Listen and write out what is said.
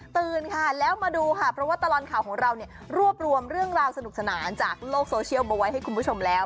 ตื่นค่ะแล้วมาดูค่ะเพราะว่าตลอดข่าวของเราเนี่ยรวบรวมเรื่องราวสนุกสนานจากโลกโซเชียลมาไว้ให้คุณผู้ชมแล้ว